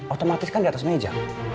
otomatis kan di atas meja